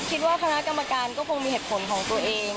คิดว่าคณะกรรมการก็คงมีเหตุผลของตัวเอง